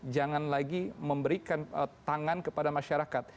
jangan lagi memberikan tangan kepada masyarakat